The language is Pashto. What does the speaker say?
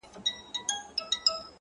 گوره رسوا بـــه سـو وړې خلگ خـبـري كـوي،